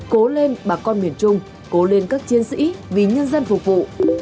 cố lên bà con miền trung cố lên các chiến sĩ vì nhân dân phục vụ